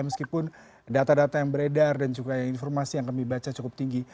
meskipun data data yang beredar dan juga informasi yang kami baca cukup tinggi